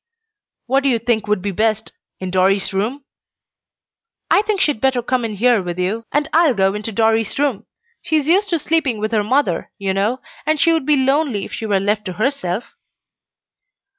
"What do you think would be best? In Dorry's room?" "I think she'd better come in here with you, and I'll go into Dorry's room. She is used to sleeping with her mother, you know, and she would be lonely if she were left to herself."